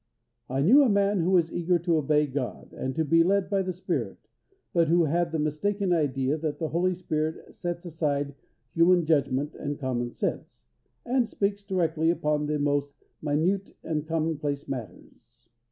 I knew a man who was eager to obey God, and to be led by the Spirit, but who had the mistaken idea that the Holy Spirit sets aside human judgment and common sense, and speaks directly upon the most minute and commonplace matters.